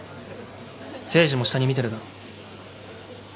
誠治も下に見てるだろ。